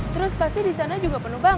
terus pasti di sana juga penumpang